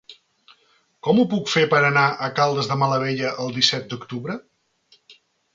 Com ho puc fer per anar a Caldes de Malavella el disset d'octubre?